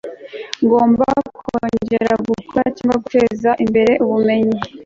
ngomba kongera gukora cyangwa guteza imbere ubumenyi